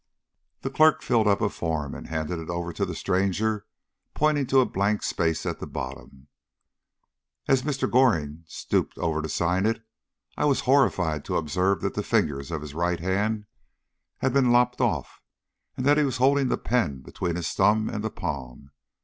The clerk filled up a form and handed it over to the stranger, pointing to a blank space at the bottom. As Mr. Goring stooped over to sign it I was horrified to observe that the fingers of his right hand had been lopped off, and that he was holding the pen between his thumb and the palm.